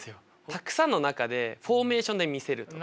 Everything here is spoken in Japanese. たくさんの中でフォーメーションで見せるとか。